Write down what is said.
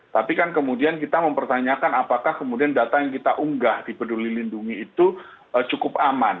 tapi kan kemudian kita mempertanyakan apakah kemudian data yang kita unggah di peduli lindungi itu cukup aman